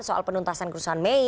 soal penuntasan kerusuhan mei